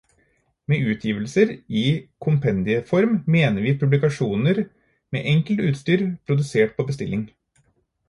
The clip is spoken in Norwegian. Med utgivelser i kompendieform mener vi publikasjoner med enkelt utstyr, produsert på bestilling.